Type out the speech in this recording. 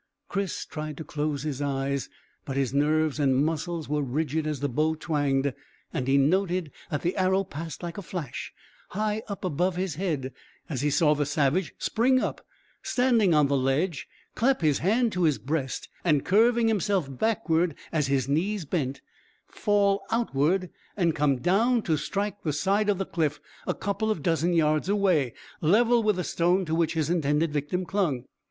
Chris tried to close his eyes, but his nerves and muscles were rigid as the bow twanged, and he noted that the arrow passed like a flash, high up above his head, as he saw the savage spring up standing on the ledge, clap his hand to his breast, and curving himself backward as his knees bent, fall outward and come down to strike the side of the cliff a couple of dozen yards away, level with the stone to which his intended victim clung.